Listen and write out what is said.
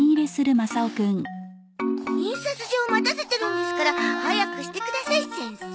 印刷所を待たせてるんですから早くしてください先生。